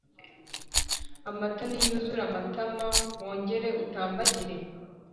Amata niyuzure amatama, wongere utambagire